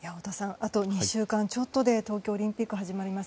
あと２週間ちょっとで東京オリンピック始まります。